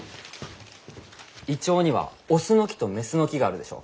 イチョウには雄の木と雌の木があるでしょ？